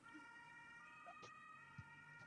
她原是上海百乐门舞厅的头牌舞女。